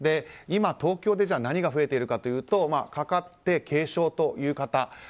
今、東京で、じゃあ何が増えているかというとかかって、軽症という方。